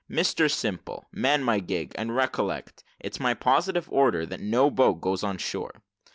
Mr Simple, man my gig; and recollect, it's my positive orders that no boat goes on shore."